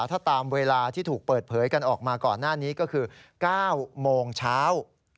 ถ้าตามเวลาที่ถูกเปิดเผยกันออกมาก่อนหน้านี้ก็คือ๙โมงเช้า